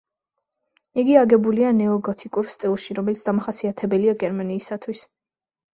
იგი აგებულია ნეოგოთიკურ სტილში, რომელიც დამახასიათებელია გერმანიისათვის.